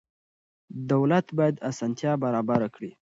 دولت باید اسانتیا برابره کړي.